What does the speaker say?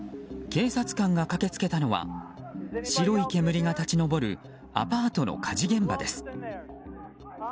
警察官が駆けつけたのは白い煙が立ち上るアパートの火事現場です。